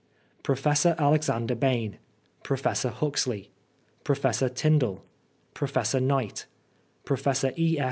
Professor Alexander Bain Professor Huxley Professor Tyndall Professor Ejiight Professor E.